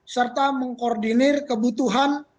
serta mengkoordinir kebutuhan